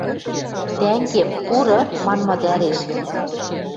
«Тӓнгем, пуры?» манмы тӓреш